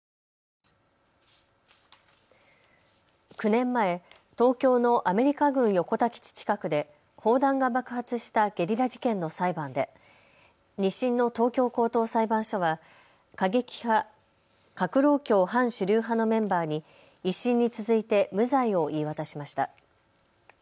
９年前、東京のアメリカ軍横田基地近くで砲弾が爆発したゲリラ事件の裁判で２審の東京高等裁判所は過激派、革労協反主流派のメンバーに１審に続いて無罪を言い渡しました。